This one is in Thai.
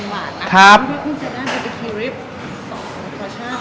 พี่พาคุณจะได้บาร์บีคิวลิฟท์๒ประชาปน์